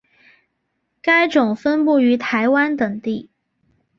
该种分布于台湾等地。